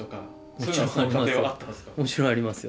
もちろんありますよ